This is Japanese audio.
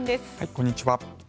こんにちは。